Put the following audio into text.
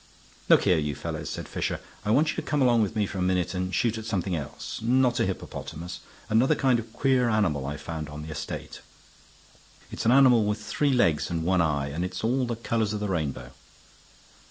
"Look here, you fellows," said Fisher. "I want you to come along with me for a minute and shoot at something else. Not a hippopotamus. Another kind of queer animal I've found on the estate. It's an animal with three legs and one eye, and it's all the colors of the rainbow."